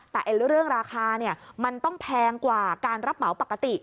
แต่เรื่องราคามันต้องแพงกว่าการรับเหมาปกติ